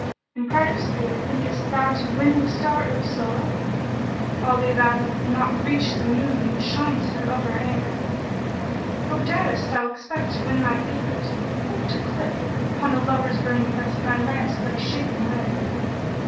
In pride of spirit thinkest thou to win the star Soha[FN#36]? * Albe thou may not reach the Moon which shines through upper air? How darest thou expect to win my favours, hope to clip * Upon a lover's burning breast my lance like shape and rare?